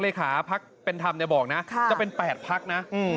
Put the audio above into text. เลขฐาธิการพักเป็นธรรมเนี่ยบอกนะจะเป็น๘พักนะ